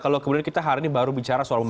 kalau kemudian kita hari ini baru bicara soal